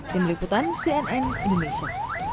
di meliputan cnn indonesia